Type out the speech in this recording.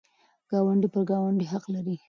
ګاونډی په ګاونډي حق لري.